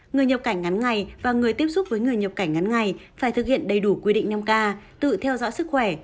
người nhập cảnh ngắn ngày và người tiếp xúc với người nhập cảnh ngắn ngày phải thực hiện đầy đủ quy định năm k tự theo dõi sức khỏe